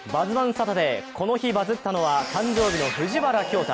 サタデー、この日バズったのは誕生日の藤原恭大。